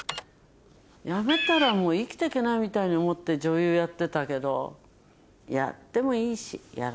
やめたらもう生きていけないみたいに思って女優やってたけど。